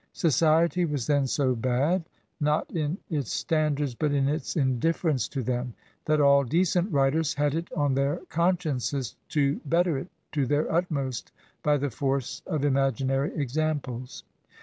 Society was then so bad, not in its standards, but in its indifference to them, that all decent writers had it on their consciences to better it to their utmost by the force of imaginary examples.